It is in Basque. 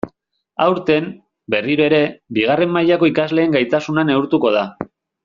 Aurten, berriro ere, bigarren mailako ikasleen gaitasuna neurtuko da.